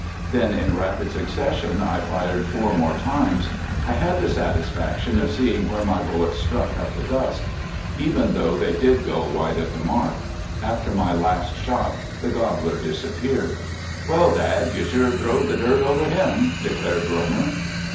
Then in rapid succession I fired four more times. I had the satisfaction of seeing where my bullets struck up the dust, even though they did go wide of the mark. After my last shot the gobbler disappeared. "Well, Dad, you sure throwed the dirt over him!" declared Romer.